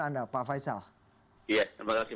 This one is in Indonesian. anda pak faisal iya terima kasih